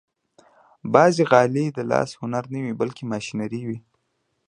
بعضې غالۍ د لاس هنر نه وي، بلکې ماشيني وي.